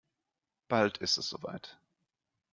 Bald ist es soweit.